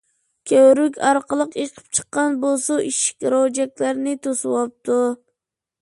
كۆۋرۈك ئارقىلىق ئېقىپ چىققان بۇ سۇ ئىشىك، روجەكلەرنى توسۇۋاپتۇ.